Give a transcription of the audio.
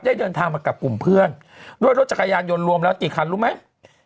เดินทางมากับกลุ่มเพื่อนด้วยรถจักรยานยนต์รวมแล้วกี่คันรู้ไหม